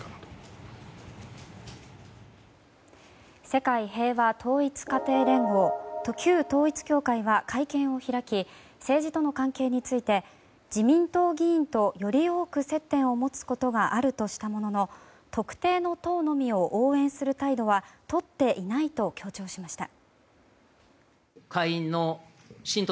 世界平和統一家庭連合旧統一教会は会見を開き政治との関係について自民党議員とより多く接点を持つことがあるとしたものの特定の党のみを応援する態度はとっていないと強調しました。